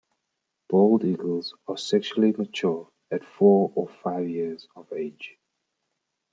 Bald eagles are sexually mature at four or five years of age.